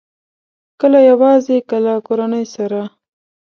کله یوازې، کله کورنۍ سره